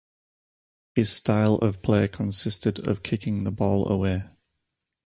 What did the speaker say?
His style of play consisted of kicking the ball away.